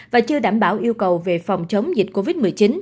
và chưa đảm bảo yêu cầu về phòng chống dịch covid một mươi chín